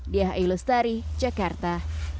diah ilustari jakarta